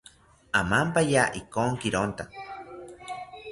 Amampaya Inkokironta